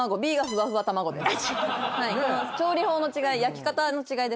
調理法の違い